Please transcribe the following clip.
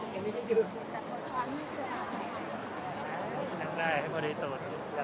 โปรโมชั่นสำหรับภายในงานนี้คือดาว๙๙๐๐บาทค่ะ